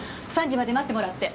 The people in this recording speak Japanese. ３時まで待ってもらって。